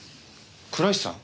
倉石さん。